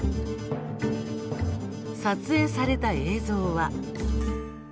撮影された映像は。